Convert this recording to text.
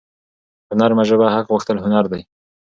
په نرمه ژبه حق غوښتل هنر دی.